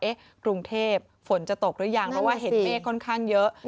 กรุงเทพฝนจะตกหรือยังเพราะว่าเห็นเมฆค่อนข้างเยอะ